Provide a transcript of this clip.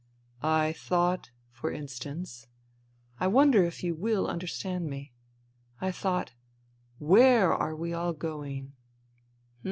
" I thought, for instance — I wonder if you will understand me ?— I thought : Where are we all going